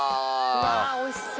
うわ美味しそう。